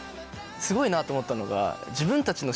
すごいなと思ったのが。